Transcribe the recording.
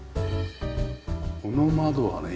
この窓はね